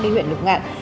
đi huyện lục ngạn